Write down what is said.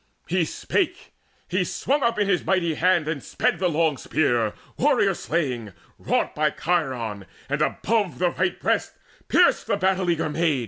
He spake; he swung up in his mighty hand And sped the long spear warrior slaying, wrought By Chiron, and above the right breast pierced The battle eager maid.